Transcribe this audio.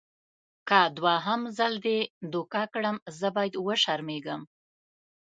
که دوهم ځل دې دوکه کړم زه باید وشرمېږم.